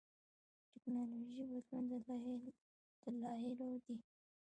ټېکنالوژيکي بدلون دلایلو دي.